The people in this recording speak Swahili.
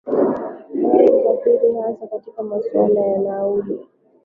aa za usafiri hasa katika masuala ya nauli